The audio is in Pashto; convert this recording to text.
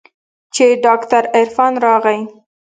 چې ډاکتر عرفان راغى.